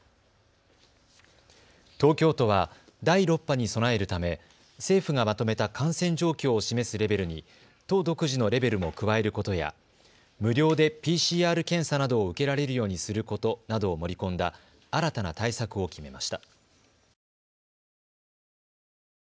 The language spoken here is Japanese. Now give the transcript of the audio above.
東京都は第６波に備えるため政府がまとめた感染状況を示すレベルに都独自のレベルも加えることや無料でＰＣＲ検査などを受けられるようにすることなどを盛り込んだ新たな対策を決めました。